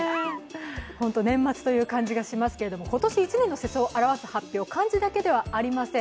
本当年末という感じがしますが今年１年の世相を表す発表、漢字だけではありません。